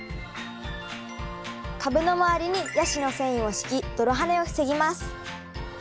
株の周りにヤシの繊維を敷き泥はねを防ぎます。